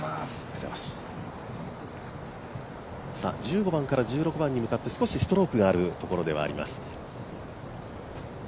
１５番から１６番に向かって少しストロークがあるところではあります。